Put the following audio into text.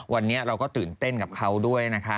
วันนี้เราก็ตื่นเต้นกับเขาด้วยนะคะ